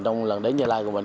trong lần đến gia lai của mình